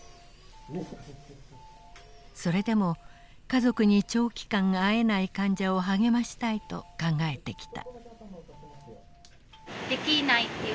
それでも家族に長期間会えない患者を励ましたいと考えてきた。